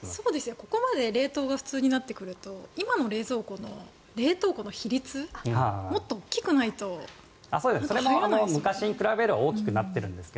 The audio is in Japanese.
ここまで冷凍が普通になってくると今の冷蔵庫の冷凍庫の比率もっと大きくないと入らないですよね。